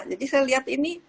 jadi saya lihat ini